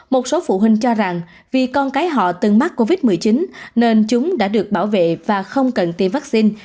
một số phụ huynh cho rằng vì con cái họ từng mắc covid một mươi chín nên chúng đã được bảo vệ và không cần tiêm vaccine